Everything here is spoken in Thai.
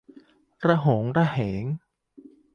โหรงเหรง